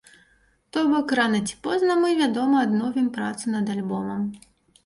То бок, рана ці позна мы, вядома, адновім працу над альбомам.